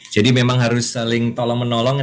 jadi memang harus saling tolong menolong